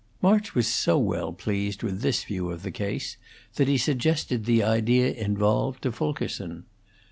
March was so well pleased with this view of the case that he suggested the idea involved to Fulkerson.